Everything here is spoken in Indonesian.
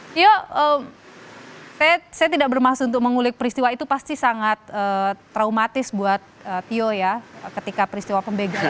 tio saya tidak bermaksud untuk mengulik peristiwa itu pasti sangat traumatis buat tio ya ketika peristiwa pembegalan